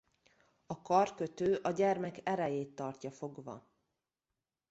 A karkötő a gyermek erejét tartja fogva.